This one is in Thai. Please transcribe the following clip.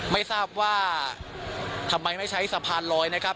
ไม่ทราบว่าทำไมไม่ใช้สะพานลอยนะครับ